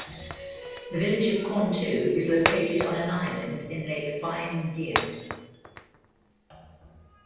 The village of Quantou is located on an island in Lake Baiyangdian.